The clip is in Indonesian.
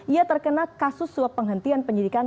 ia terkena kasus suap penghentian penyidikan